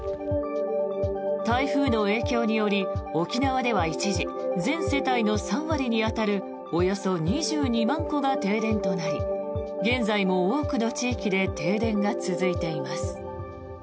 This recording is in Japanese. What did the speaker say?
台風の影響により沖縄では一時、全世帯の３割に当たるおよそ２２万戸が停電となり現在も多くの地域で停電が続いています。